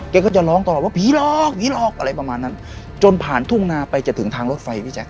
ก็จะร้องตลอดว่าผีหลอกผีหลอกอะไรประมาณนั้นจนผ่านทุ่งนาไปจะถึงทางรถไฟพี่แจ๊